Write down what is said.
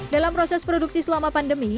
dalam proses produksi selama pandemi